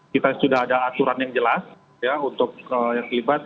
kita sudah ada aturan yang jelas ya untuk yang terlibat